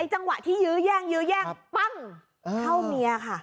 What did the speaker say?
จังหวะที่ยื้อแย่งยื้อแย่งปั้งเข้าเมียค่ะ